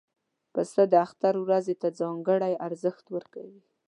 پسه د اختر ورځې ته ځانګړی ارزښت ورکوي.